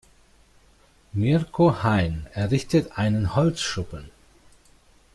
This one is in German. Mirko Hein errichtet einen Holzschuppen.